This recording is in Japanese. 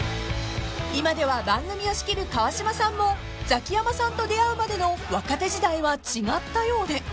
［今では番組を仕切る川島さんもザキヤマさんと出会うまでの若手時代は違ったようで。